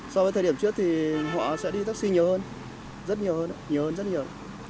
so với thời điểm trước thì họ sẽ đi taxi nhiều hơn rất nhiều hơn nhiều hơn rất nhiều